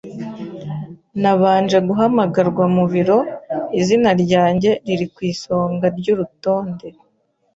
Nabanje guhamagarwa mu biro, izina ryanjye riri ku isonga ryurutonde.